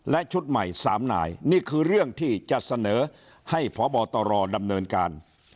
และชุดใหม่๓นายนี่คือเรื่องที่จะเสนอให้พบตรดำเนินการ